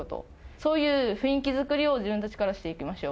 そういう雰囲気作りを自分たちからしていきましょう。